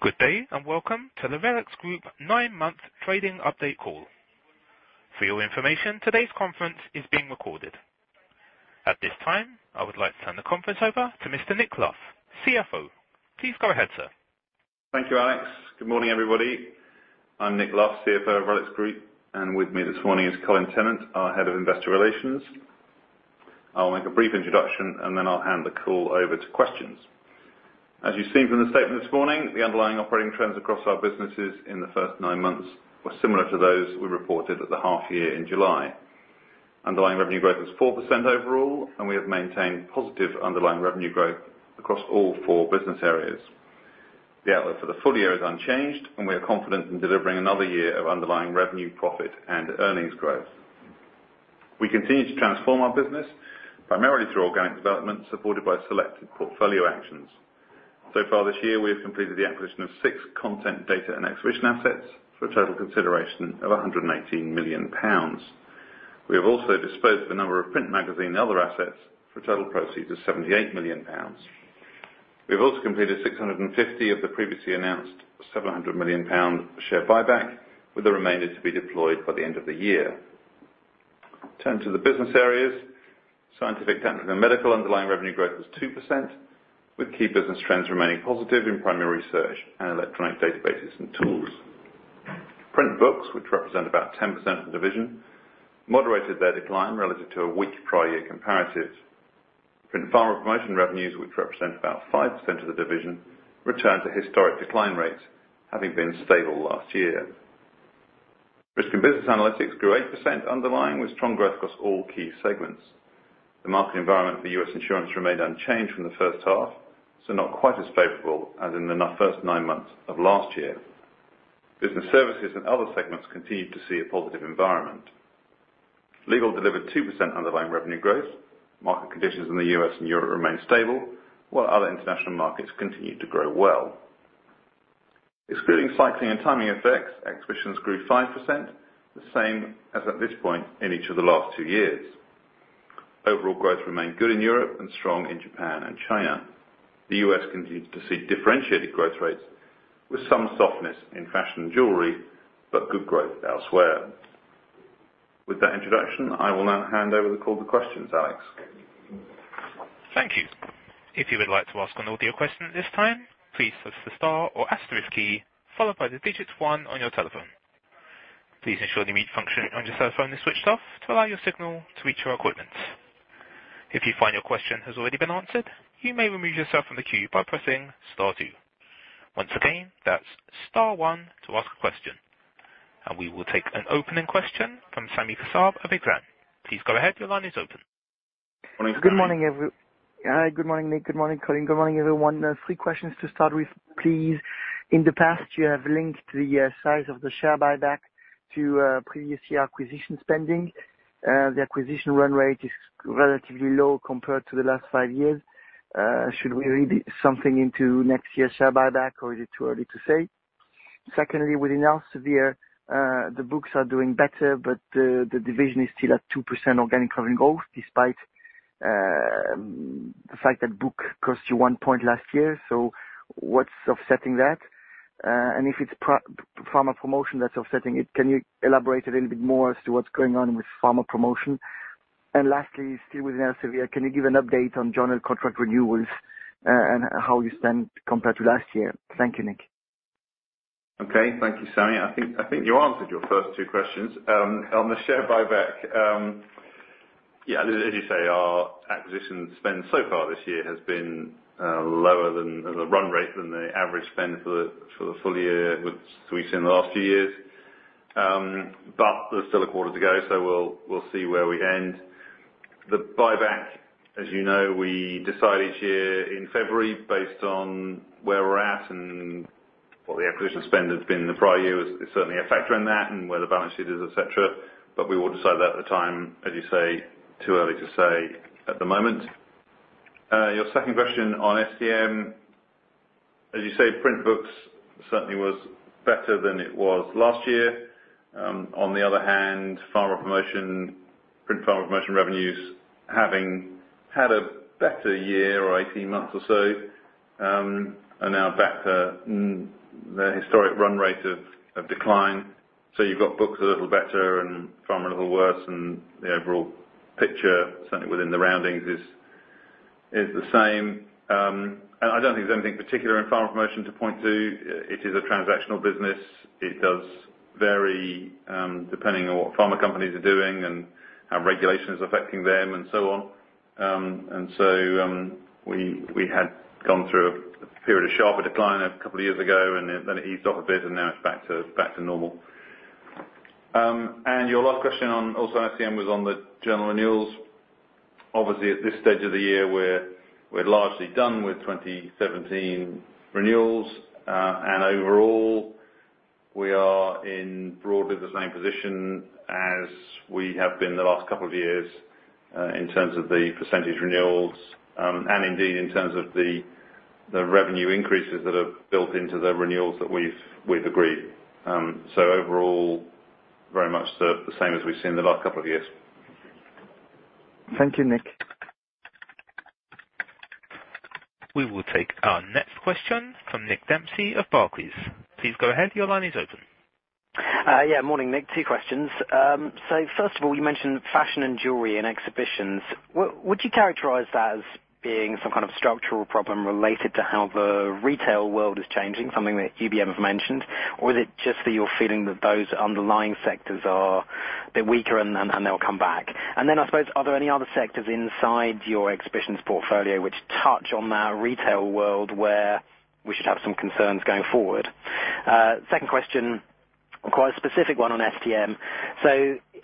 Good day, welcome to the RELX Group nine-month trading update call. For your information, today's conference is being recorded. At this time, I would like to turn the conference over to Mr. Nick Luff, CFO. Please go ahead, sir. Thank you, Alex. Good morning, everybody. I'm Nick Luff, CFO of RELX Group, with me this morning is Colin Tennant, our Head of Investor Relations. I'll make a brief introduction, then I'll hand the call over to questions. As you've seen from the statement this morning, the underlying operating trends across our businesses in the first nine months were similar to those we reported at the half year in July. Underlying revenue growth was 4% overall, we have maintained positive underlying revenue growth across all four business areas. The outlook for the full year is unchanged, we are confident in delivering another year of underlying revenue, profit, and earnings growth. We continue to transform our business, primarily through organic development, supported by selected portfolio actions. Far this year, we have completed the acquisition of six content data and exhibition assets for a total consideration of 118 million pounds. We have also disposed of a number of print magazine and other assets for a total proceed of 78 million pounds. We have also completed 650 of the previously announced 700 million pound share buyback, with the remainder to be deployed by the end of the year. Turn to the business areas. Scientific, technical, and medical underlying revenue growth was 2%, with key business trends remaining positive in primary research and electronic databases and tools. Print books, which represent about 10% of the division, moderated their decline relative to a weak prior year comparatives. Print pharma promotion revenues, which represent about 5% of the division, returned to historic decline rates, having been stable last year. Risk and Business Analytics grew 8% underlying, with strong growth across all key segments. The market environment for U.S. insurance remained unchanged from the first half, not quite as favorable as in the first nine months of last year. Business services and other segments continued to see a positive environment. Legal delivered 2% underlying revenue growth. Market conditions in the U.S. and Europe remained stable, while other international markets continued to grow well. Excluding cycling and timing effects, Exhibitions grew 5%, the same as at this point in each of the last two years. Overall growth remained good in Europe and strong in Japan and China. The U.S. continued to see differentiated growth rates with some softness in fashion jewelry, good growth elsewhere. With that introduction, I will now hand over the call to questions. Alex? Thank you. If you would like to ask an audio question at this time, please press the star or asterisk key, followed by the digit one on your telephone. Please ensure the mute function on your cellphone is switched off to allow your signal to reach our equipment. If you find your question has already been answered, you may remove yourself from the queue by pressing star two. Once again, that's star one to ask a question. We will take an opening question from Sami Kassab of Exane. Please go ahead. Your line is open. Morning, Sami. Good morning. Hi, good morning, Nick. Good morning, Colin. Good morning, everyone. Three questions to start with, please. In the past, you have linked the size of the share buyback to previous year acquisition spending. The acquisition run rate is relatively low compared to the last five years. Should we read something into next year's share buyback, or is it too early to say? Secondly, within Elsevier, the books are doing better, but the division is still at 2% organic revenue growth despite the fact that book cost you one point last year. What's offsetting that? If it's pharma promotion that's offsetting it, can you elaborate a little bit more as to what's going on with pharma promotion? Lastly, still with Elsevier, can you give an update on journal contract renewals, and how you stand compared to last year? Thank you, Nick. Okay. Thank you, Sammy. I think you answered your first two questions. On the share buyback, as you say, our acquisition spend so far this year has been lower than the run rate than the average spend for the full year, which we've seen in the last few years. There's still a quarter to go, so we'll see where we end. The buyback, as you know, we decide each year in February based on where we're at and what the acquisition spend has been in the prior year is certainly a factor in that and where the balance sheet is, et cetera. We will decide that at the time. As you say, too early to say at the moment. Your second question on STM. As you say, print books certainly was better than it was last year. On the other hand, print pharma promotion revenues having had a better year or 18 months or so, are now back to their historic run rate of decline. You've got books a little better and pharma a little worse, and the overall picture, certainly within the roundings, is the same. I don't think there's anything particular in pharma promotion to point to. It is a transactional business. It does vary depending on what pharma companies are doing and how regulation is affecting them and so on. We had gone through a period of sharper decline a couple of years ago, it eased off a bit, now it's back to normal. Your last question on also STM was on the journal renewals. Obviously, at this stage of the year, we're largely done with 2017 renewals. Overall, we are in broadly the same position as we have been the last couple of years in terms of the % renewals, indeed in terms of the revenue increases that have built into the renewals that we've agreed. Overall, very much the same as we've seen the last couple of years. Thank you, Nick. We will take our next question from Nick Dempsey of Barclays. Please go ahead. Your line is open. Morning, Nick. Two questions. First of all, you mentioned fashion and jewelry and exhibitions. Would you characterize that as being some kind of structural problem related to how the retail world is changing, something that UBM have mentioned? Is it just that you're feeling that those underlying sectors are a bit weaker and they'll come back? Then, I suppose, are there any other sectors inside your exhibitions portfolio which touch on that retail world where we should have some concerns going forward? Second question, quite a specific one on STM.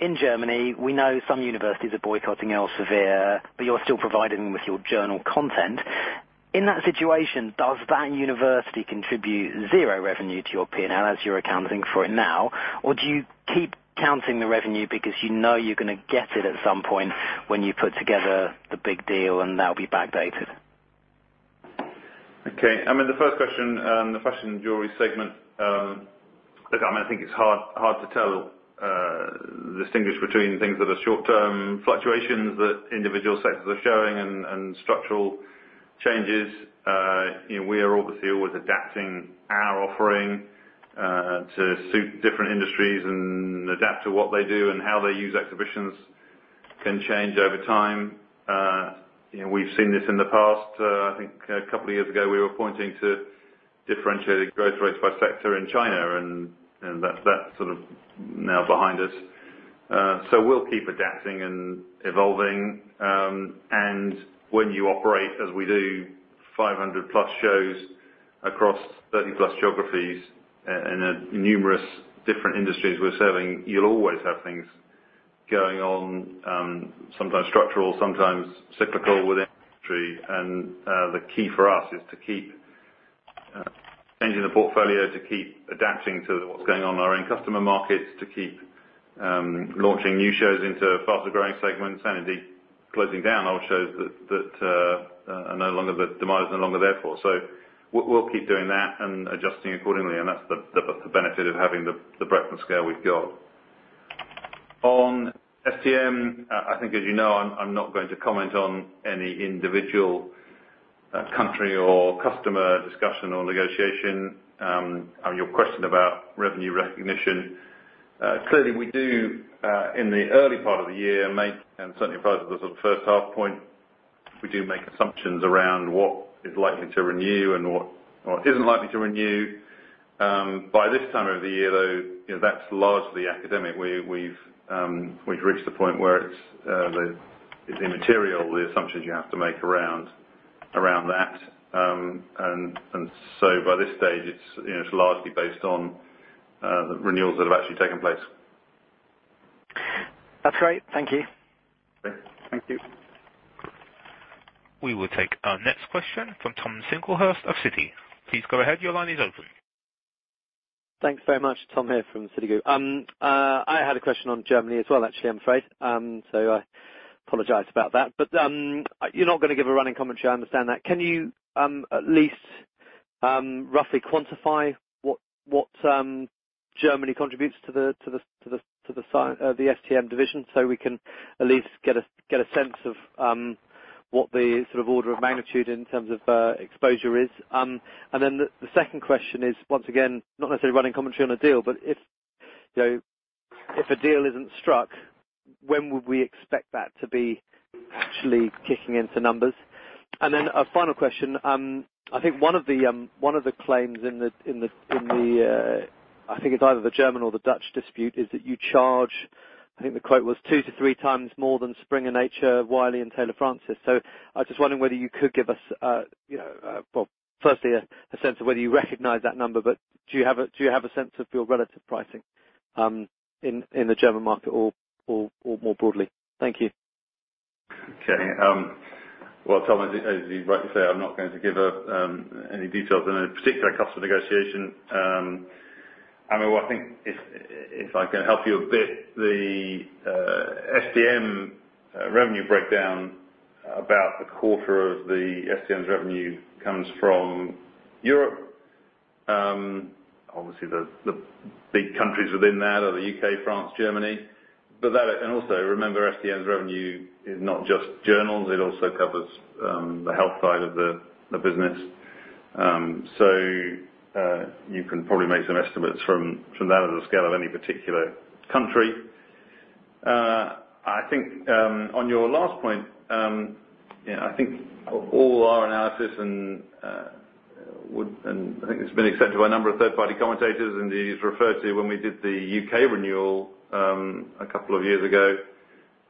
In Germany, we know some universities are boycotting Elsevier, but you're still providing them with your journal content. In that situation, does that university contribute zero revenue to your P&L as you're accounting for it now? Do you keep counting the revenue because you know you're going to get it at some point when you put together the big deal and that will be backdated? The first question, the fashion and jewelry segment. I think it's hard to tell, distinguish between things that are short-term fluctuations that individual sectors are showing and structural changes. We are obviously always adapting our offering to suit different industries and adapt to what they do and how they use exhibitions can change over time. We've seen this in the past. I think a couple of years ago, we were pointing to differentiated growth rates by sector in China, and that's now behind us. We'll keep adapting and evolving. When you operate, as we do, 500 plus shows across 30 plus geographies and numerous different industries we're serving, you'll always have things going on, sometimes structural, sometimes cyclical within industry. The key for us is to keep changing the portfolio, to keep adapting to what's going on in our own customer markets, to keep launching new shows into faster-growing segments, and indeed closing down old shows that the demand is no longer there for. We'll keep doing that and adjusting accordingly, and that's the benefit of having the breadth and scale we've got. On STM, I think as you know, I'm not going to comment on any individual country or customer discussion or negotiation. On your question about revenue recognition. Clearly, we do in the early part of the year, make, and certainly prior to the sort of first half point, we do make assumptions around what is likely to renew and what isn't likely to renew. By this time of the year, though, that's largely academic. We've reached the point where it's immaterial, the assumptions you have to make around that. By this stage, it's largely based on renewals that have actually taken place. That's great. Thank you. Okay. Thank you. We will take our next question from Tom Singlehurst of Citi. Please go ahead. Your line is open. Thanks very much. Tom here from Citi. I had a question on Germany as well, actually, I'm afraid. I apologize about that. You're not going to give a running commentary. I understand that. Can you at least roughly quantify what Germany contributes to the STM division so we can at least get a sense of what the order of magnitude in terms of exposure is? The second question is, once again, not necessarily running commentary on a deal, but if a deal isn't struck, when would we expect that to be actually kicking into numbers? A final question. I think one of the claims in the, I think it's either the German or the Dutch dispute, is that you charge, I think the quote was two to three times more than Springer Nature, Wiley, and Taylor & Francis. I was just wondering whether you could give us, well, firstly, a sense of whether you recognize that number, but do you have a sense of your relative pricing in the German market or more broadly? Thank you. Okay. Well, Tom, as you rightly say, I'm not going to give any details on a particular customer negotiation. I think if I can help you a bit, the STM revenue breakdown, about a quarter of the STM's revenue comes from Europe. Obviously, the big countries within that are the U.K., France, Germany. Also remember, STM's revenue is not just journals, it also covers the health side of the business. You can probably make some estimates from that as a scale of any particular country. On your last point, I think all our analysis, and I think it's been accepted by a number of third-party commentators, indeed it was referred to when we did the U.K. renewal a couple of years ago,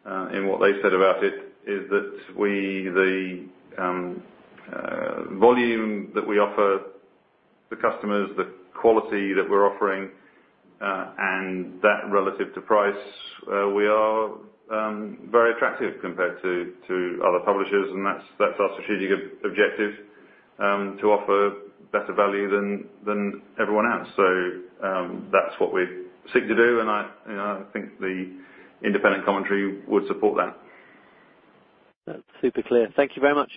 and what they said about it is that the volume that we offer the customers, the quality that we're offering, and that relative to price, we are very attractive compared to other publishers, and that's our strategic objective, to offer better value than everyone else. That's what we seek to do, and I think the independent commentary would support that. That's super clear. Thank you very much.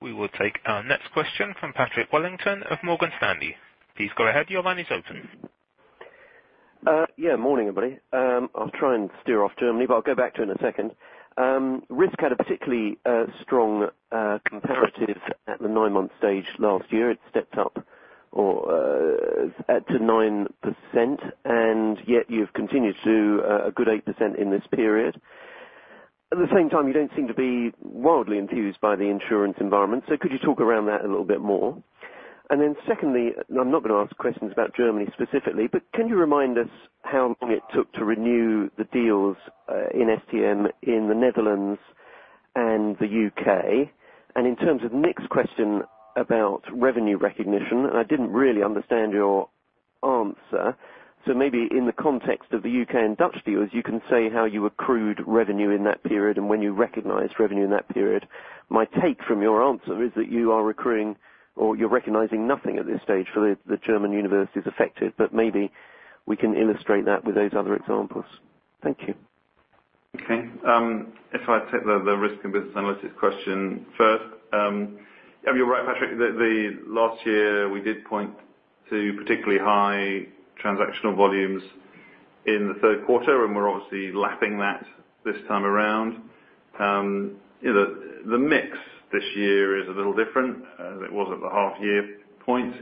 We will take our next question from Patrick Wellington of Morgan Stanley. Please go ahead. Your line is open. Morning, everybody. I'll try and steer off Germany, but I'll go back to it in a second. Risk had a particularly strong comparative at the nine-month stage last year. It stepped up to 9%, and yet you've continued to do a good 8% in this period. At the same time, you don't seem to be wildly enthused by the insurance environment. Could you talk around that a little bit more? Secondly, I'm not going to ask questions about Germany specifically, but can you remind us how long it took to renew the deals in STM in the Netherlands and the U.K.? In terms of Nick's question about revenue recognition, I didn't really understand your answer. Maybe in the context of the U.K. and Dutch deals, you can say how you accrued revenue in that period and when you recognized revenue in that period. My take from your answer is that you are accruing or you're recognizing nothing at this stage for the German universities affected, but maybe we can illustrate that with those other examples. Thank you. Okay. If I take the risk and business analytics question first. You're right, Patrick. Last year, we did point to particularly high transactional volumes in the third quarter, and we're obviously lapping that this time around. The mix this year is a little different as it was at the half-year point,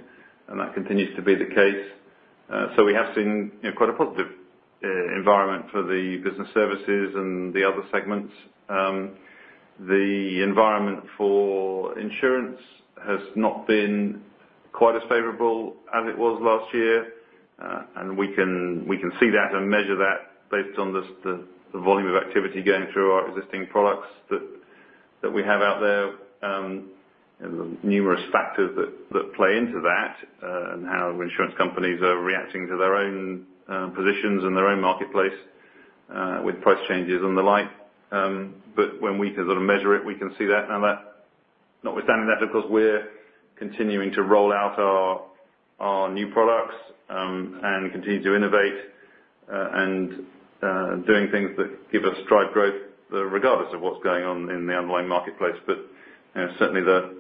and that continues to be the case. We have seen quite a positive environment for the business services and the other segments. The environment for insurance has not been quite as favorable as it was last year. We can see that and measure that based on the volume of activity going through our existing products that we have out there and the numerous factors that play into that, and how insurance companies are reacting to their own positions and their own marketplace, with price changes and the like. When we can measure it, we can see that now. Notwithstanding that, of course, we're continuing to roll out our new products and continue to innovate. Doing things that give us drive growth regardless of what's going on in the underlying marketplace. Certainly the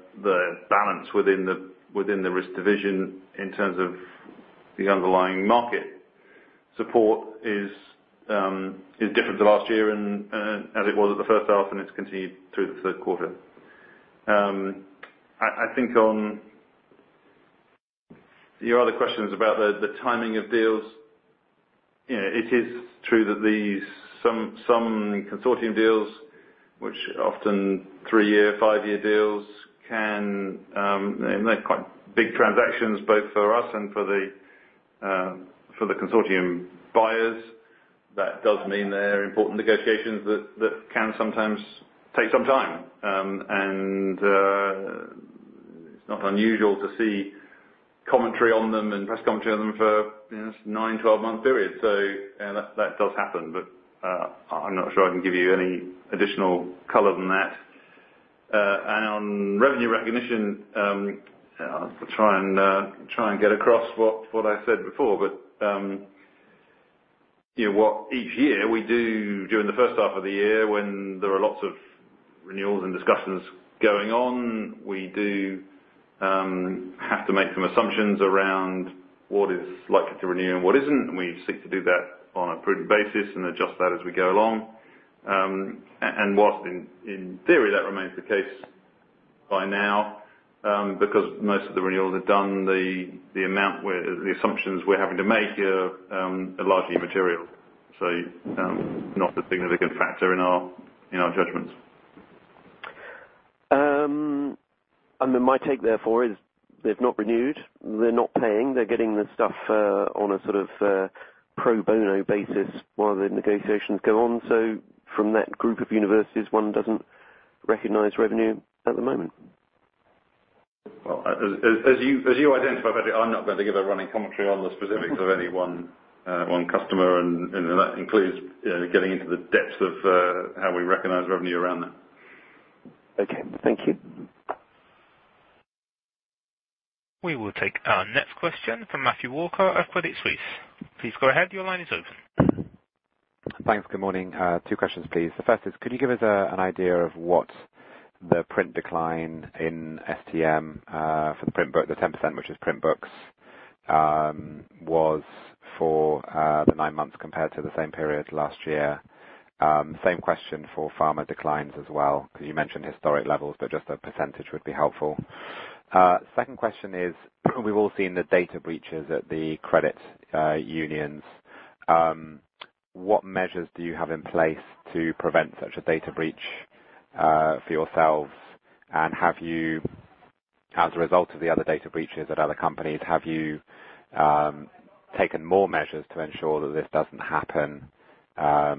balance within the risk division in terms of the underlying market support is different to last year as it was at the first half, and it's continued through the third quarter. I think on your other questions about the timing of deals. It is true that some consortium deals, which often three-year, five-year deals, and they're quite big transactions both for us and for the consortium buyers. That does mean they're important negotiations that can sometimes take some time. It's not unusual to see commentary on them and press commentary on them for nine, 12-month periods. That does happen, but I'm not sure I can give you any additional color than that. On revenue recognition, I'll try and get across what I said before. What each year we do during the first half of the year when there are lots of renewals and discussions going on, we do have to make some assumptions around what is likely to renew and what isn't, and we seek to do that on a prudent basis and adjust that as we go along. Whilst in theory that remains the case by now, because most of the renewals are done, the amount where the assumptions we're having to make here are largely immaterial. Not a significant factor in our judgments. My take therefore is they've not renewed, they're not paying, they're getting the stuff on a sort of pro bono basis while the negotiations go on. From that group of universities, one doesn't recognize revenue at the moment. As you identified, Patrick, I'm not going to give a running commentary on the specifics of any one customer, and that includes getting into the depths of how we recognize revenue around that. Okay. Thank you. We will take our next question from Matthew Walker of Credit Suisse. Please go ahead. Your line is open. Thanks. Good morning. Two questions, please. The first is, could you give us an idea of what the print decline in STM for the 10%, which is print books, was for the nine months compared to the same period last year? Same question for pharma declines as well, because you mentioned historic levels, but just a percentage would be helpful. Second question is, we've all seen the data breaches at the credit bureaus. What measures do you have in place to prevent such a data breach for yourselves? As a result of the other data breaches at other companies, have you taken more measures to ensure that this doesn't happen at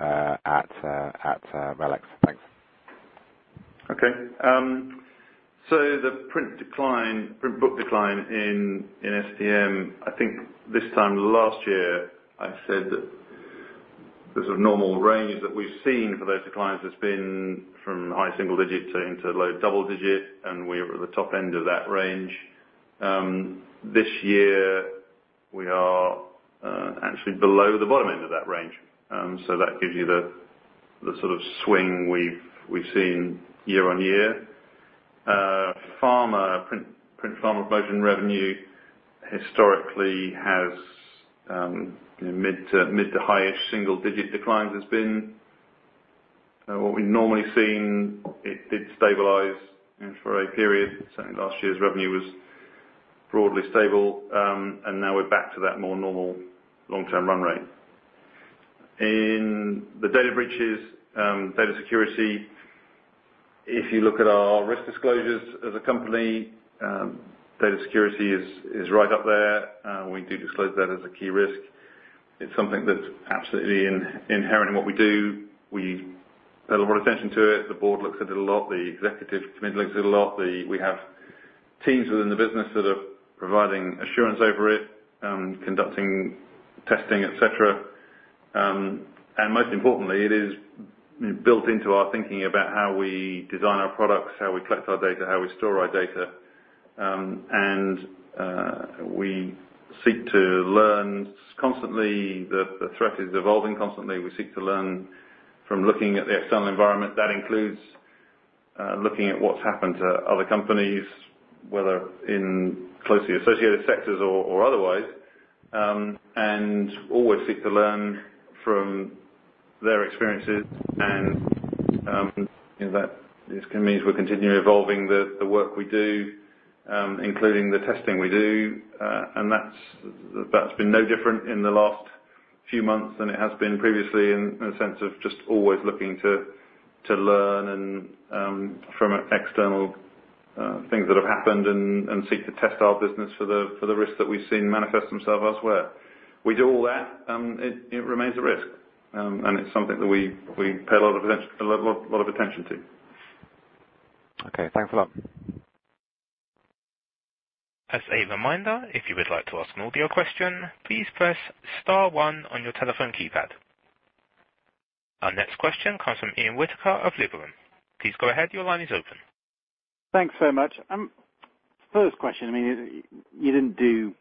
RELX? Thanks. Okay. The print book decline in STM, I think this time last year, I said that the sort of normal range that we've seen for those declines has been from high single digits into low double digits. The top end of that range. This year, we are actually below the bottom end of that range. That gives you the sort of swing we've seen year-over-year. Print pharma budget and revenue historically has mid to highish single digit declines has been. What we've normally seen, it did stabilize for a period. Certainly last year's revenue was broadly stable, and now we're back to that more normal long-term run rate. In the data breaches, data security, if you look at our risk disclosures as a company, data security is right up there. We do disclose that as a key risk. It's something that's absolutely inherent in what we do. We pay a lot of attention to it. The board looks at it a lot. The executive committee looks at it a lot. We have teams within the business that are providing assurance over it, conducting testing, et cetera. Most importantly, it is built into our thinking about how we design our products, how we collect our data, how we store our data. We seek to learn constantly. The threat is evolving constantly. We seek to learn from looking at the external environment. That includes looking at what's happened to other companies, whether in closely associated sectors or otherwise, and always seek to learn from their experiences. That just means we're continually evolving the work we do, including the testing we do. That's been no different in the last few months than it has been previously in the sense of just always looking to learn from external things that have happened and seek to test our business for the risks that we've seen manifest themselves elsewhere. We do all that. It remains a risk, and it's something that we pay a lot of attention to. Okay, thanks a lot. As a reminder, if you would like to ask an audio question, please press star one on your telephone keypad. Our next question comes from Ian Whittaker of Liberum. Please go ahead. Your line is open. Thanks so much. First question. You didn't do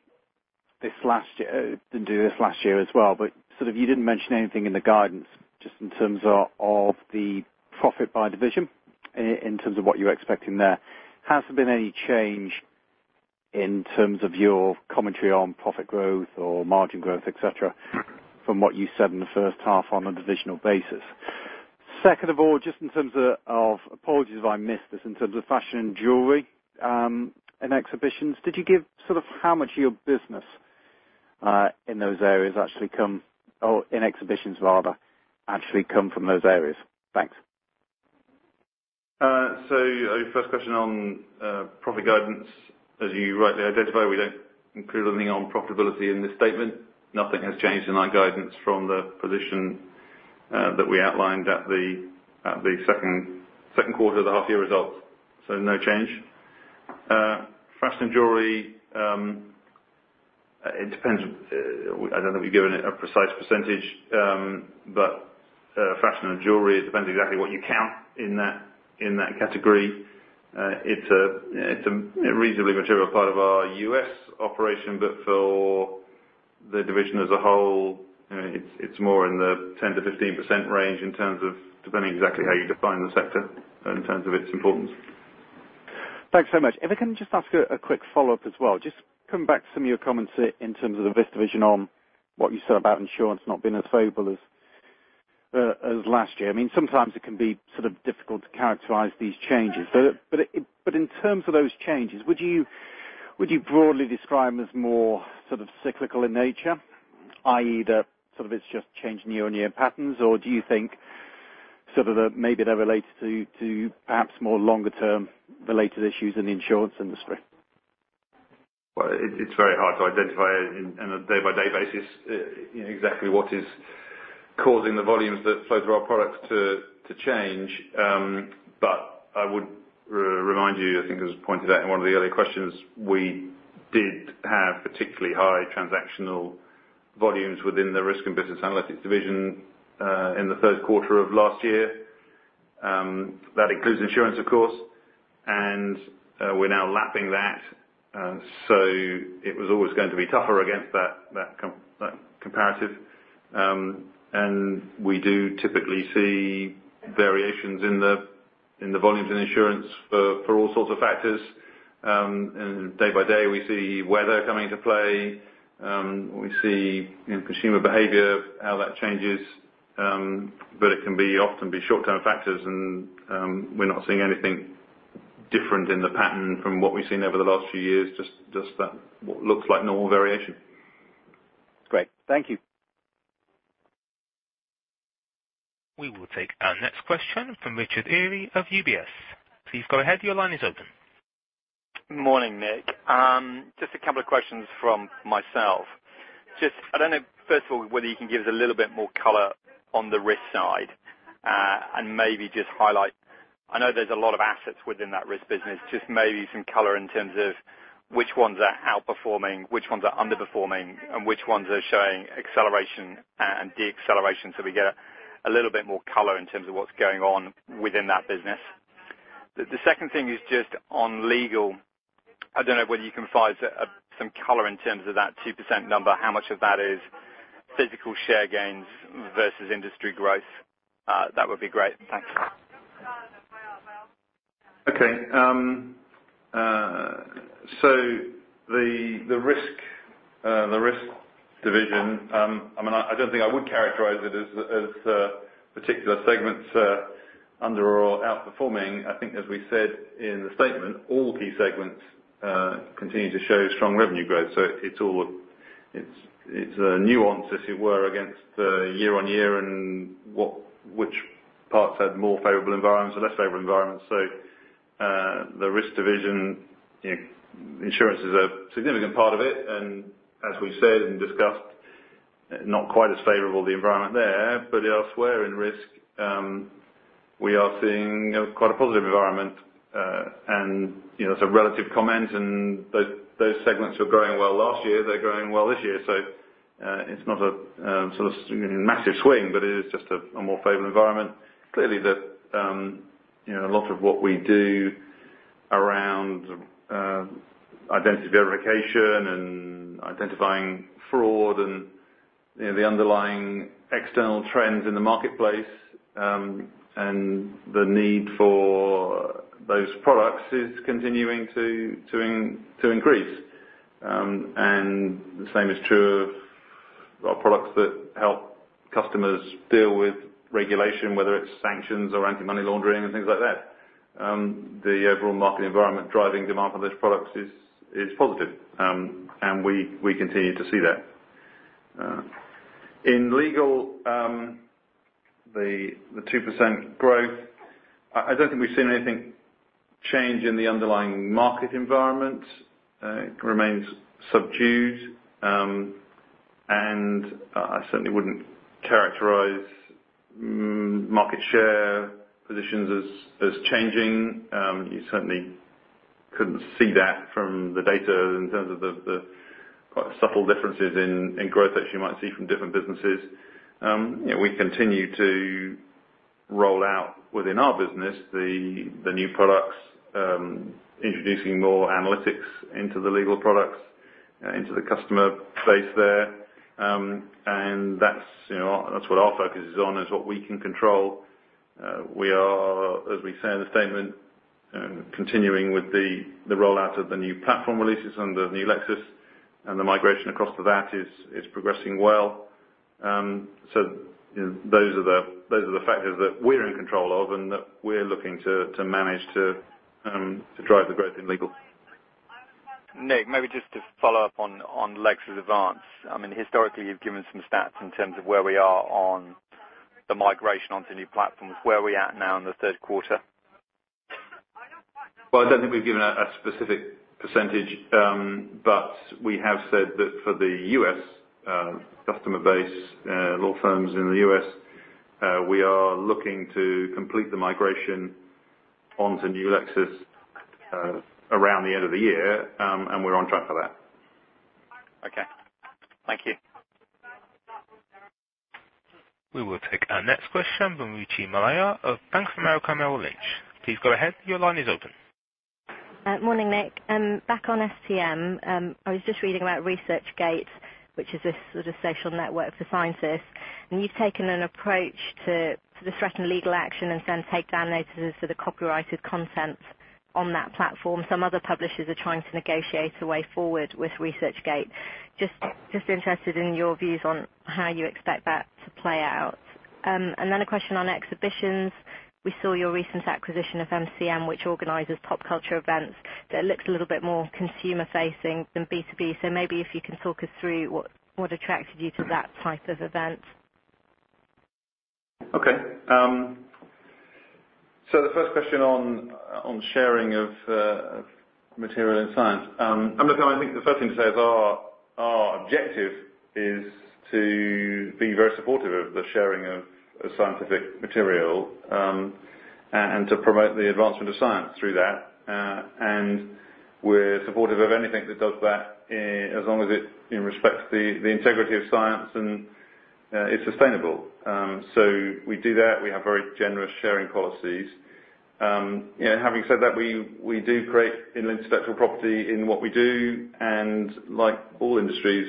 this last year as well, but you didn't mention anything in the guidance, just in terms of the profit by division, in terms of what you were expecting there. Has there been any change in terms of your commentary on profit growth or margin growth, et cetera, from what you said in the first half on a divisional basis? Second of all, apologies if I missed this, in terms of fashion and jewelry and exhibitions, did you give how much of your business in those areas actually come, or in exhibitions rather, actually come from those areas? Thanks. Your first question on profit guidance, as you rightly identify, we don't include anything on profitability in this statement. Nothing has changed in our guidance from the position that we outlined at the second quarter of the half year results. No change. Fashion and jewelry, it depends. I don't think we've given it a precise percentage. Fashion and jewelry, it depends exactly what you count in that category. It's a reasonably material part of our U.S. operation, but for the division as a whole, it's more in the 10%-15% range, depending exactly how you define the sector in terms of its importance. Thanks so much. If I can just ask a quick follow-up as well. Just come back to some of your comments in terms of the risk division on what you said about insurance not being as favorable as last year. Sometimes it can be difficult to characterize these changes. In terms of those changes, would you broadly describe them as more cyclical in nature, i.e. that it's just change in year-on-year patterns, or do you think that maybe they're related to perhaps more longer term related issues in the insurance industry? Well, it's very hard to identify on a day-by-day basis exactly what is causing the volumes that flow through our products to change. I would remind you, I think it was pointed out in one of the earlier questions, we did have particularly high transactional volumes within the Risk and Business Analytics division in the third quarter of last year. That includes insurance, of course, and we're now lapping that. It was always going to be tougher against that comparative. We do typically see variations in the volumes in insurance for all sorts of factors. Day by day, we see weather coming into play. We see consumer behavior, how that changes. It can often be short-term factors, and we're not seeing anything different in the pattern from what we've seen over the last few years, just that what looks like normal variation. Great. Thank you. We will take our next question from Richard Eary of UBS. Please go ahead. Your line is open. Morning, Nick. Just a couple of questions from myself. Just, I don't know, first of all, whether you can give us a little bit more color on the Risk side, and maybe just highlight. I know there's a lot of assets within that Risk business. Just maybe some color in terms of which ones are outperforming, which ones are underperforming, and which ones are showing acceleration and de-acceleration? We get a little bit more color in terms of what's going on within that business. The second thing is just on Legal. I don't know whether you can provide some color in terms of that 2% number. How much of that is physical share gains versus industry growth? That would be great. Thanks. The risk division, I don't think I would characterize it as particular segments are under or outperforming. I think as we said in the statement, all key segments continue to show strong revenue growth. It's a nuance, as it were, against year-over-year and which parts had more favorable environments or less favorable environments. The risk division, insurance is a significant part of it, and as we said and discussed, not quite as favorable, the environment there. Elsewhere in risk, we are seeing quite a positive environment. It's a relative comment, and those segments were growing well last year. They're growing well this year. It's not a massive swing, but it is just a more favorable environment. Clearly, a lot of what we do around identity verification and identifying fraud and the underlying external trends in the marketplace, and the need for those products is continuing to increase. The same is true of our products that help customers deal with regulation, whether it's sanctions or anti-money laundering and things like that. The overall market environment driving demand for those products is positive. We continue to see that. In legal, the 2% growth, I don't think we've seen anything change in the underlying market environment. It remains subdued. I certainly wouldn't characterize market share positions as changing. You certainly couldn't see that from the data in terms of the quite subtle differences in growth that you might see from different businesses. We continue to roll out within our business the new products, introducing more analytics into the legal products, into the customer base there. That's what our focus is on, is what we can control. We are, as we say in the statement, continuing with the rollout of the new platform releases under the New Lexis, and the migration across to that is progressing well. Those are the factors that we're in control of and that we're looking to manage to drive the growth in legal. Nick, maybe just to follow up on Lexis Advance. Historically, you've given some stats in terms of where we are on the migration onto new platforms. Where are we at now in the third quarter? Well, I don't think we've given a specific percentage. We have said that for the U.S. customer base, law firms in the U.S., we are looking to complete the migration onto New Lexis around the end of the year, and we're on track for that. Okay. Thank you. We will take our next question from Aditya Buddhavarapu of Bank of America Merrill Lynch. Please go ahead. Your line is open. Morning, Nick. Back on STM. I was just reading about ResearchGate, which is this sort of social network for scientists, you've taken an approach to the threatened legal action and sent take down notices for the copyrighted content on that platform. Some other publishers are trying to negotiate a way forward with ResearchGate. Just interested in your views on how you expect that to play out. A question on exhibitions. We saw your recent acquisition of MCM, which organizes pop culture events. That looks a little bit more consumer-facing than B2B. Maybe if you can talk us through what attracted you to that type of event. The first question on sharing of material in science. Look, I think the first thing to say is our objective is to be very supportive of the sharing of scientific material, and to promote the advancement of science through that. We're supportive of anything that does that, as long as it respects the integrity of science and it's sustainable. We do that. We have very generous sharing policies. Having said that, we do create intellectual property in what we do, and like all industries,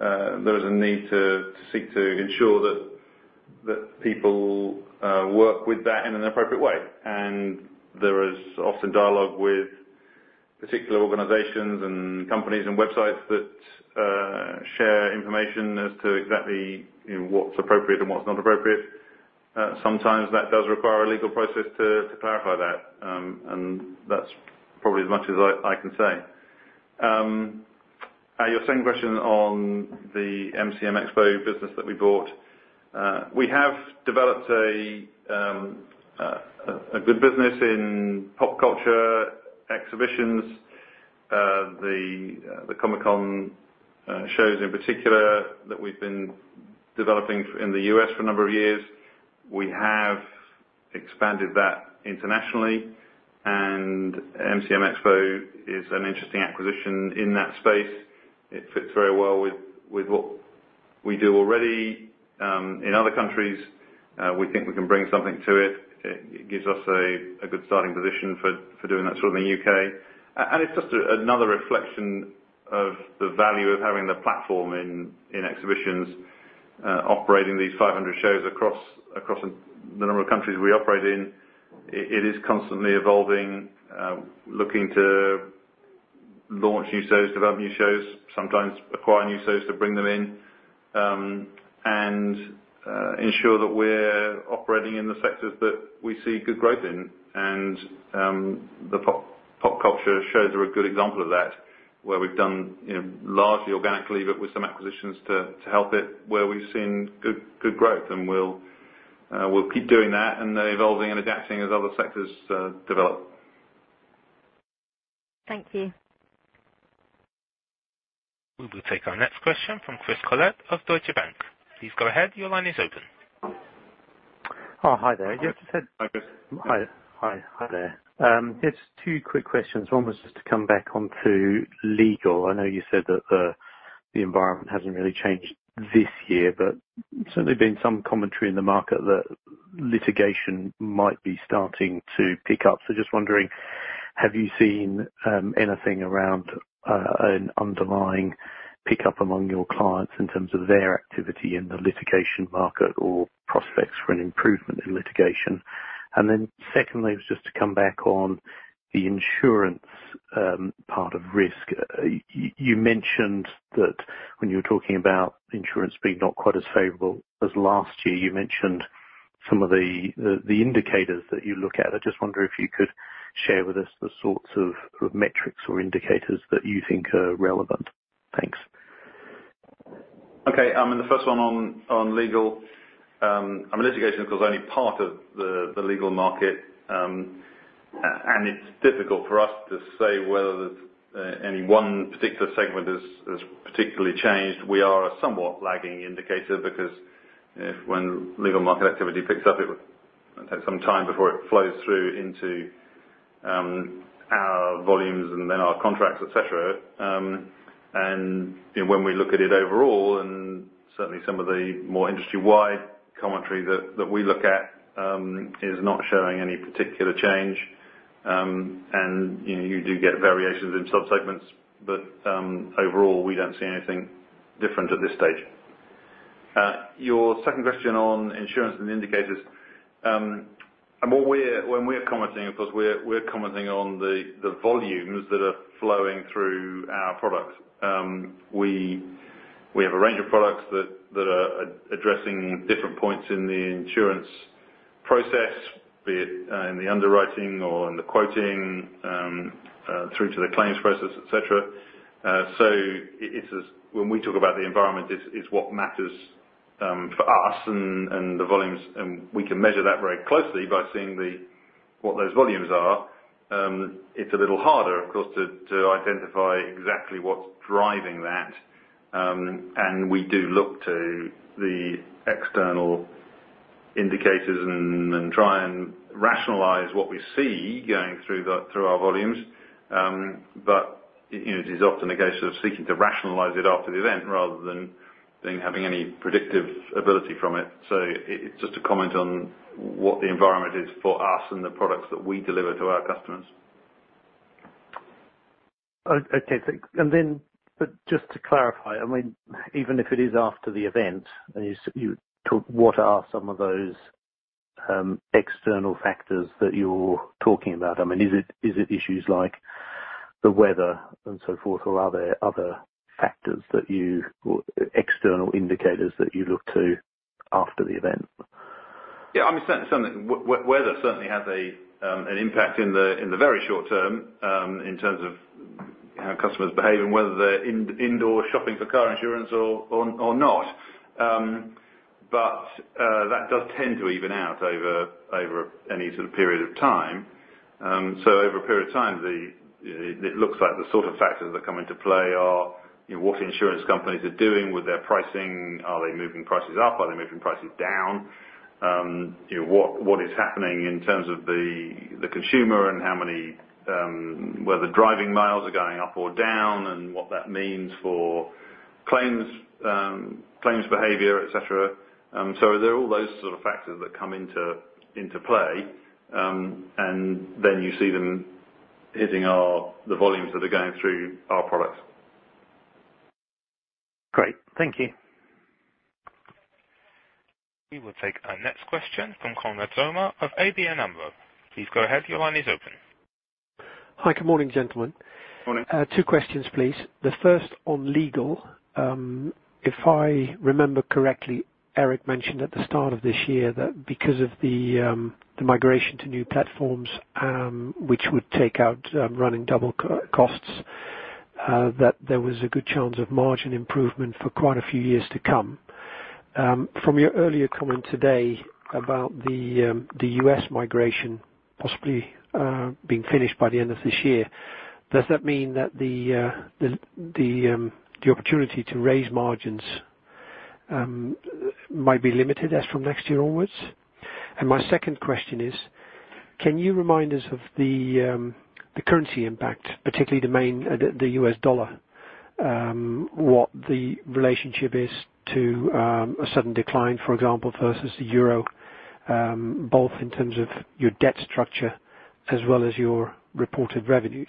there is a need to seek to ensure that people work with that in an appropriate way. There is often dialogue with particular organizations and companies and websites that share information as to exactly what's appropriate and what's not appropriate. Sometimes that does require a legal process to clarify that. That's probably as much as I can say. Your second question on the MCM Expo business that we bought. We have developed a good business in pop culture exhibitions. The Comic-Con shows in particular that we've been developing in the U.S. for a number of years. We have expanded that internationally, and MCM Expo is an interesting acquisition in that space. It fits very well with what we do already in other countries. We think we can bring something to it. It gives us a good starting position for doing that sort of in the U.K. It's just another reflection of the value of having the platform in exhibitions operating these 500 shows across the number of countries we operate in. It is constantly evolving, looking to launch new shows, develop new shows, sometimes acquire new shows to bring them in, and ensure that we're operating in the sectors that we see good growth in. The pop culture shows are a good example of that, where we've done largely organically, but with some acquisitions to help it, where we've seen good growth. We'll keep doing that and evolving and adapting as other sectors develop. Thank you. We will take our next question from Chris Collett of Deutsche Bank. Please go ahead. Your line is open. Oh, hi there. Hi, Chris. Hi there. Just two quick questions. One was just to come back onto legal. I know you said that the environment hasn't really changed this year, but certainly been some commentary in the market that litigation might be starting to pick up. Just wondering, have you seen anything around an underlying pick up among your clients in terms of their activity in the litigation market or prospects for an improvement in litigation? Secondly, was just to come back on the insurance part of risk. You mentioned that when you were talking about insurance being not quite as favorable as last year, you mentioned some of the indicators that you look at. I just wonder if you could share with us the sorts of metrics or indicators that you think are relevant. Thanks. Okay. On the first one on legal, litigation is, of course, only part of the legal market. It's difficult for us to say whether any one particular segment has particularly changed. We are a somewhat lagging indicator because if when legal market activity picks up, it will take some time before it flows through into our volumes and then our contracts, et cetera. When we look at it overall, and certainly some of the more industry-wide commentary that we look at is not showing any particular change. You do get variations in subsegments, but overall, we don't see anything different at this stage. Your second question on insurance and indicators. When we're commenting, of course, we're commenting on the volumes that are flowing through our products. We have a range of products that are addressing different points in the insurance process, be it in the underwriting or in the quoting, through to the claims process, et cetera. When we talk about the environment, it's what matters for us and the volumes. We can measure that very closely by seeing what those volumes are. It's a little harder, of course, to identify exactly what's driving that. We do look to the external indicators and try and rationalize what we see going through our volumes. It is often a case of seeking to rationalize it after the event rather than having any predictive ability from it. It's just a comment on what the environment is for us and the products that we deliver to our customers. Okay, thanks. Just to clarify, even if it is after the event, what are some of those external factors that you're talking about? Is it issues like the weather and so forth, or are there other factors that you external indicators that you look to after the event? Yeah. Weather certainly has an impact in the very short term in terms of how customers behave and whether they're indoor shopping for car insurance or not. That does tend to even out over any period of time. Over a period of time, it looks like the sort of factors that come into play are what insurance companies are doing with their pricing. Are they moving prices up? Are they moving prices down? What is happening in terms of the consumer and whether driving miles are going up or down, and what that means for claims behavior, et cetera. There are all those sort of factors that come into play, and then you see them hitting the volumes that are going through our products. Great. Thank you. We will take our next question from Konrad Zomer of ABN AMRO. Please go ahead. Your line is open. Hi. Good morning, gentlemen. Morning. Two questions, please. The first on legal. If I remember correctly, Erik mentioned at the start of this year that because of the migration to new platforms, which would take out running double costs, that there was a good chance of margin improvement for quite a few years to come. From your earlier comment today about the U.S. migration possibly being finished by the end of this year, does that mean that the opportunity to raise margins might be limited as from next year onwards? My second question is, can you remind us of the currency impact, particularly the U.S. dollar, what the relationship is to a sudden decline, for example, versus the euro, both in terms of your debt structure as well as your reported revenues?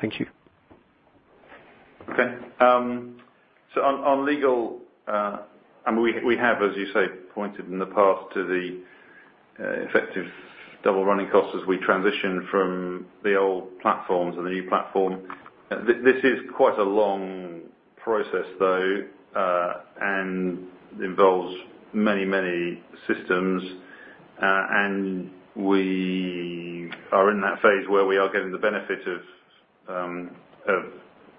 Thank you. On legal, we have, as you say, pointed in the past to the effective double running costs as we transition from the old platforms and the new platform. This is quite a long process, though, and involves many systems. We are in that phase where we are getting the benefit of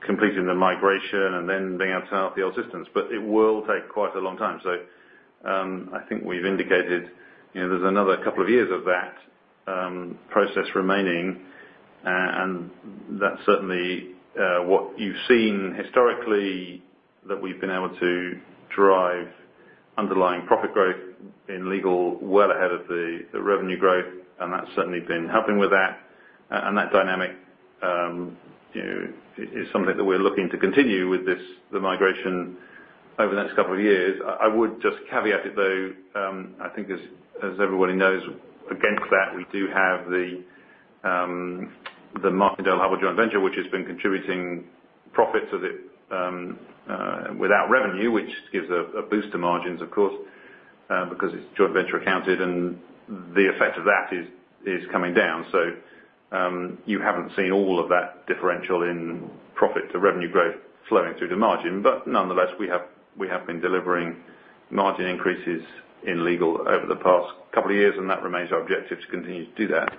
completing the migration and then being able to turn off the old systems, it will take quite a long time. I think we've indicated there's another couple of years of that process remaining, that's certainly what you've seen historically, that we've been able to drive underlying profit growth in legal well ahead of the revenue growth, that's certainly been helping with that. That dynamic is something that we're looking to continue with the migration over the next couple of years. I would just caveat it, though. I think as everybody knows, against that, we do have the Martindale-Hubbell joint venture, which has been contributing profits without revenue, which gives a boost to margins, of course, because it's joint venture accounted, and the effect of that is coming down. You haven't seen all of that differential in profit to revenue growth flowing through to margin. Nonetheless, we have been delivering margin increases in legal over the past couple of years, that remains our objective to continue to do that.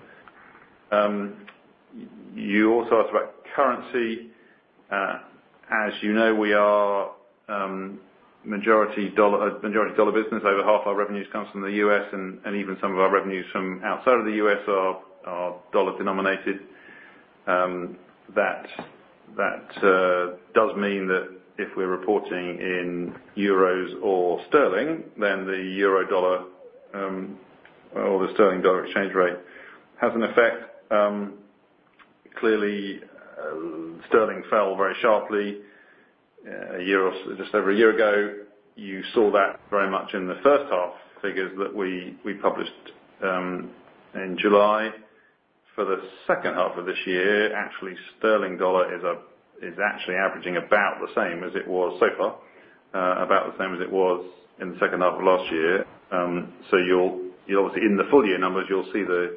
You also asked about currency. As you know, we are a majority dollar business. Over half our revenues comes from the U.S., and even some of our revenues from outside of the U.S. are dollar-denominated. That does mean that if we're reporting in euros or sterling, then the euro-dollar or the sterling-dollar exchange rate has an effect. Sterling fell very sharply just over a year ago. You saw that very much in the first half figures that we published in July. For the second half of this year, sterling-dollar is averaging about the same as it was so far, about the same as it was in the second half of last year. Obviously in the full year numbers, you'll see the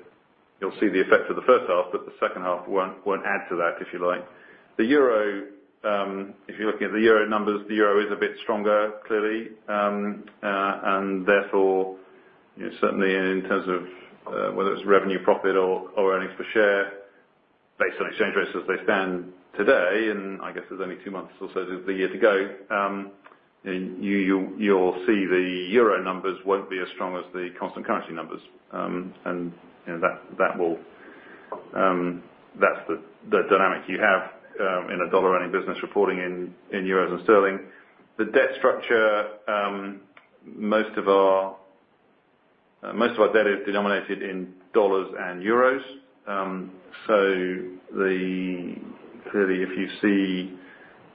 effect of the first half, the second half won't add to that, if you like. If you're looking at the euro numbers, the euro is a bit stronger, clearly. Certainly in terms of whether it's revenue profit or earnings per share based on exchange rates as they stand today, and I guess there's only two months or so of the year to go, you'll see the euro numbers won't be as strong as the constant currency numbers. That's the dynamic you have in a dollar-earning business reporting in euros and sterling. The debt structure, most of our debt is denominated in dollars and euros. Clearly, if you see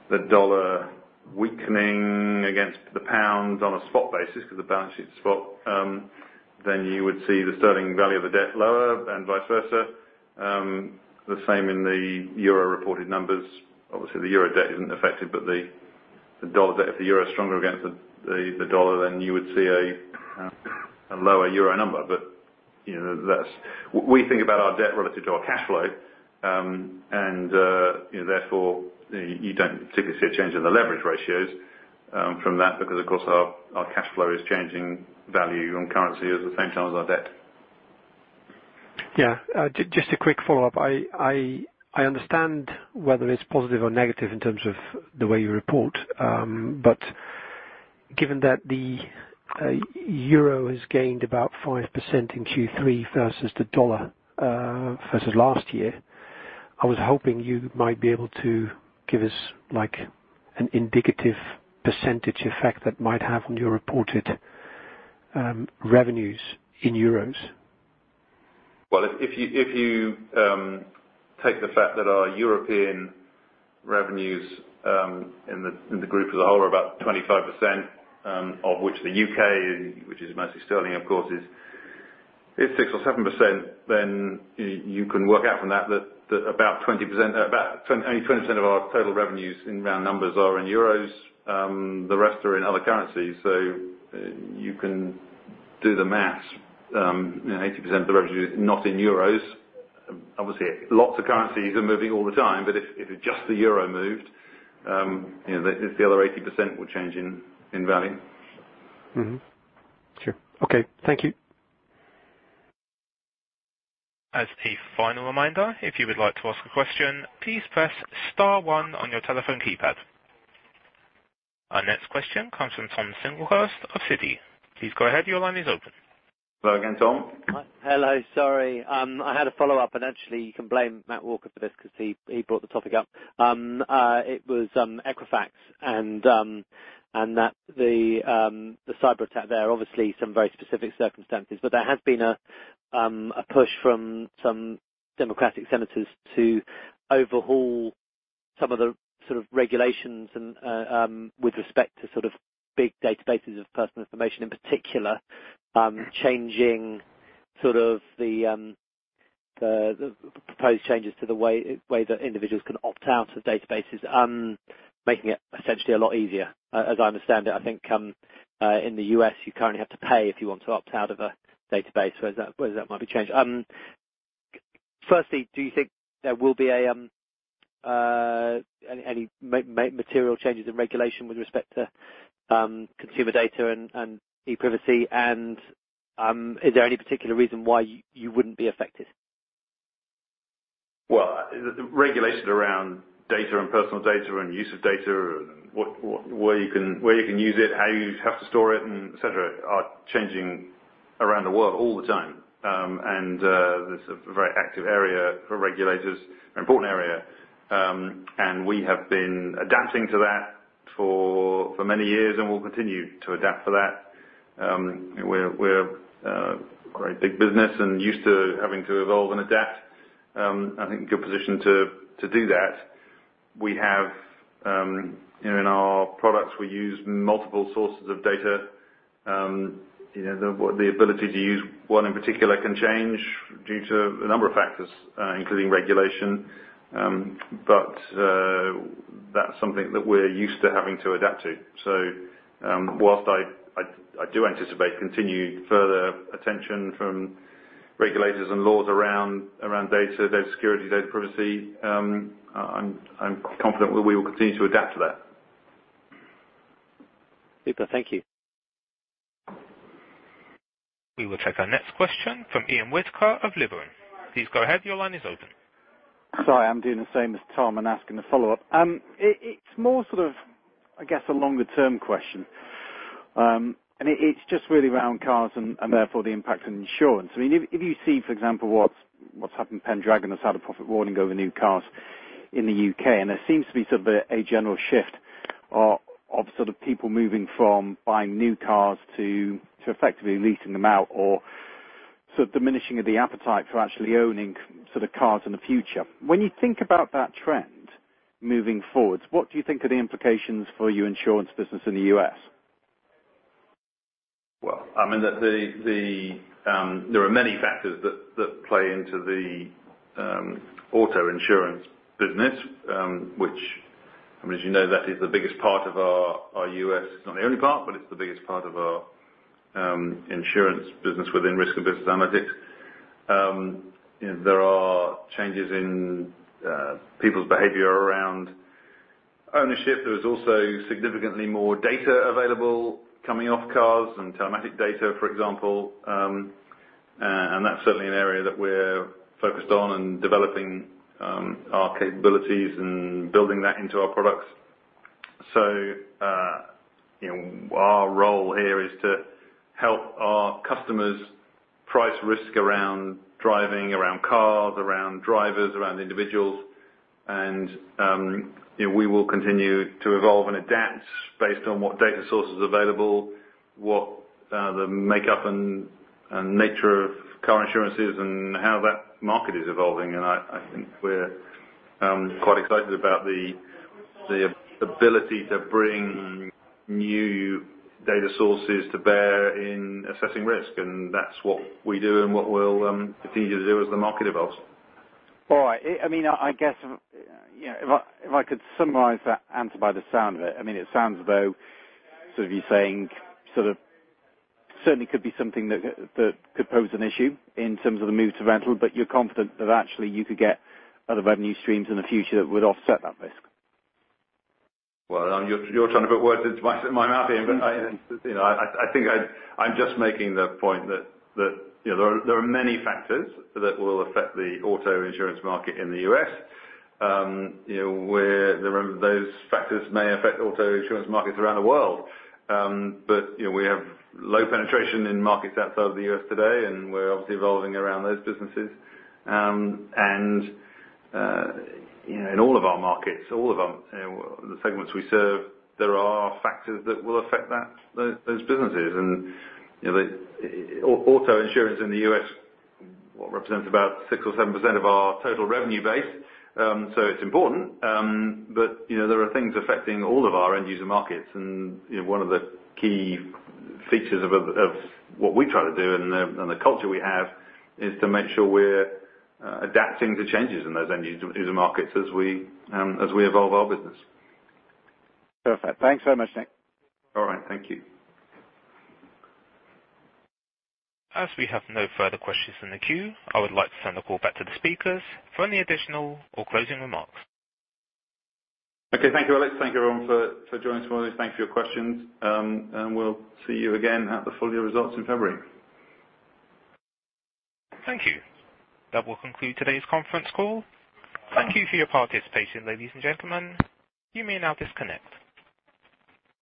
the dollar weakening against the pound on a spot basis because the balance sheet is spot, then you would see the sterling value of the debt lower and vice versa. The same in the euro-reported numbers. The euro debt isn't affected, the dollar debt, if the euro is stronger against the dollar, then you would see a lower euro number. We think about our debt relative to our cash flow. Therefore, you don't particularly see a change in the leverage ratios from that because, of course, our cash flow is changing value on currency at the same time as our debt. Yeah. Just a quick follow-up. I understand whether it's positive or negative in terms of the way you report. Given that the euro has gained about 5% in Q3 versus the dollar versus last year, I was hoping you might be able to give us an indicative percentage effect that might have on your reported revenues in euros. Well, if you take the fact that our European revenues in the group as a whole are about 25%, of which the U.K., which is mostly sterling, of course, is 6% or 7%, you can work out from that only 20% of our total revenues in round numbers are in euros. The rest are in other currencies. You can do the math. 80% of the revenue is not in euros. Obviously, lots of currencies are moving all the time. If it's just the euro moved, the other 80% will change in value. Mm-hmm. Sure. Okay. Thank you. As a final reminder, if you would like to ask a question, please press star one on your telephone keypad. Our next question comes from Tom Singlehurst of Citi. Please go ahead. Your line is open. Hello again, Tom. Hello. Sorry. I had a follow-up. Actually, you can blame Matt Walker for this because he brought the topic up. It was Equifax and the cyber attack there. Obviously, some very specific circumstances. There has been a push from some Democratic senators to overhaul some of the sort of regulations with respect to big databases of personal information. In particular, changing the proposed changes to the way that individuals can opt out of databases, making it essentially a lot easier. As I understand it, I think, in the U.S., you currently have to pay if you want to opt out of a database, whereas that might be changed. Firstly, do you think there will be any material changes in regulation with respect to consumer data and e-privacy? Is there any particular reason why you wouldn't be affected? Well, the regulations around data and personal data and use of data and where you can use it, how you have to store it, et cetera, are changing around the world all the time. It's a very active area for regulators, an important area. We have been adapting to that for many years and will continue to adapt to that. We're a very big business and used to having to evolve and adapt. I think we're in a good position to do that. In our products, we use multiple sources of data. The ability to use one in particular can change due to a number of factors, including regulation. That's something that we're used to having to adapt to. Whilst I do anticipate continued further attention from regulators and laws around data security, data privacy, I'm confident that we will continue to adapt to that. Super. Thank you. We will take our next question from Ian Whittaker of Liberum. Please go ahead. Your line is open. Sorry, I'm doing the same as Tom and asking a follow-up. It's more, sort of, I guess, a longer-term question. It's just really around cars and therefore the impact on insurance. If you see, for example, what's happened, Pendragon has had a profit warning over new cars in the U.K., there seems to be sort of a general shift of people moving from buying new cars to effectively leasing them out or sort of diminishing of the appetite for actually owning cars in the future. When you think about that trend moving forward, what do you think are the implications for your insurance business in the U.S.? Well, there are many factors that play into the auto insurance business. Which, as you know, that is the biggest part of our U.S. It's not the only part, but it's the biggest part of our insurance business within risk and business analytics. There are changes in people's behavior around ownership. There is also significantly more data available coming off cars and telematic data, for example. That's certainly an area that we're focused on and developing our capabilities and building that into our products. Our role here is to help our customers price risk around driving, around cars, around drivers, around individuals. We will continue to evolve and adapt based on what data source is available, what the makeup and nature of car insurance is, and how that market is evolving. I think we're quite excited about the ability to bring new data sources to bear in assessing risk. That's what we do and what we'll continue to do as the market evolves. All right. I guess, if I could summarize that answer by the sound of it. It sounds as though you're saying, certainly could be something that could pose an issue in terms of the move to rental, but you're confident that actually you could get other revenue streams in the future that would offset that risk. Well, you're trying to put words in my mouth, Ian. I think I'm just making the point that there are many factors that will affect the auto insurance market in the U.S. Those factors may affect auto insurance markets around the world. We have low penetration in markets outside of the U.S. today, and we're obviously evolving around those businesses. In all of our markets, all of them, the segments we serve, there are factors that will affect those businesses. Auto insurance in the U.S. represents about 6% or 7% of our total revenue base. It's important. There are things affecting all of our end-user markets. One of the key features of what we try to do and the culture we have is to make sure we're adapting to changes in those end-user markets as we evolve our business. Perfect. Thanks so much, Nick. All right. Thank you. As we have no further questions in the queue, I would like to turn the call back to the speakers for any additional or closing remarks. Okay. Thank you, Alex. Thank you, everyone, for joining us for all this. Thanks for your questions. We'll see you again at the full year results in February. Thank you. That will conclude today's conference call. Thank you for your participation, ladies and gentlemen. You may now disconnect.